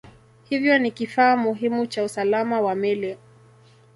Hivyo ni kifaa muhimu cha usalama wa meli.